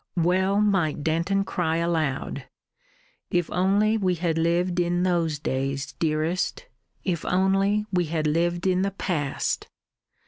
Well might Denton cry aloud: "If only we had lived in those days, dearest! If only we had lived in the past!"